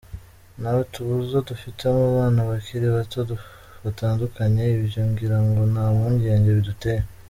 ntawe tubuza, dufitemo abana bakiri bato batandukanye, ibyo ngira ngo nta mpungenge biduteye.